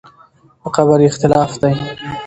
په قبر یې اختلاف دی.